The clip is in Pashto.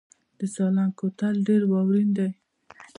د سالنګ کوتل ډیر واورین دی